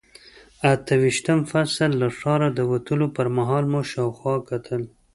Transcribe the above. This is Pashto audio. اته ویشتم فصل، له ښاره د وتلو پر مهال مو شاوخوا کتل.